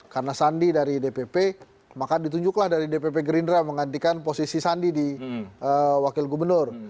karena sandi dari dpp maka ditunjuklah dari dpp gerindra menggantikan posisi sandi di wakil gubernur